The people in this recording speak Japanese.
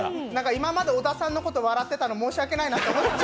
今まで小田さんのこと笑ってたの申し訳ないなと。